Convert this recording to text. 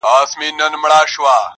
د کتلو د ستایلو نمونه وه!